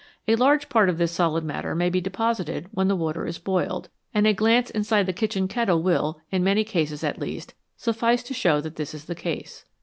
A large part of this solid matter may be deposited when the water is boiled, and a glance inside the kitchen kettle will, in many cases at least, suffice to show that this is the case.